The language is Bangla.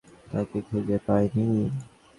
তাকে খুঁজে পাই নি।